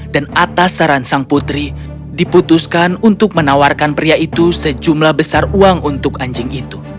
dan atas saran sang putri diputuskan untuk menawarkan pria itu sejumlah besar uang untuk anjing itu